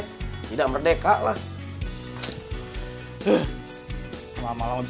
pasti saya tidak akan seperti ini